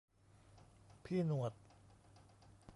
พี่หนวด